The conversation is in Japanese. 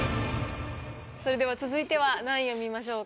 それでは続いては何位を見ましょうか？